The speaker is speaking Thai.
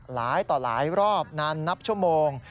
หลายต่อหลายรอบนานนับชั่วโมง